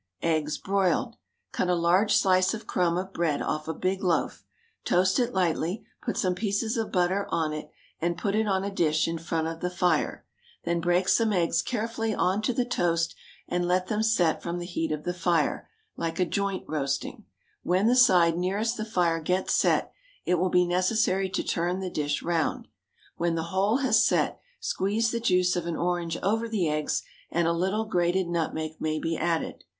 EGGS, BROILED. Cut a large slice of crumb of bread off a big loaf; toast it lightly, put some pieces of butter on it, and put it on a dish in front of the fire; then break some eggs carefully on to the toast, and let them set from the heat of the fire like a joint roasting; when the side nearest the fire gets set, it will be necessary to turn the dish round. When the whole has set, squeeze the juice of an orange over the eggs, and a little grated nutmeg may be added.